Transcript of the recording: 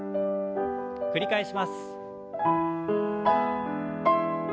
繰り返します。